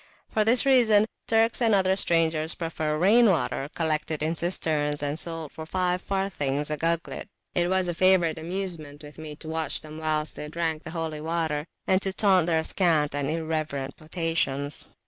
For this reason Turks and other strangers prefer rain water, collected in cisterns and sold for five farthings a gugglet. It was a favourite amusement with me to watch them whilst they drank the holy water, and to taunt their scant and irreverent potations.